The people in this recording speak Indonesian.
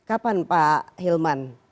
kapan pak hilman